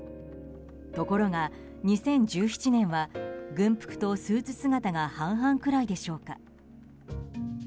ところが２０１７年は軍服とスーツ姿が半々くらいでしょうか。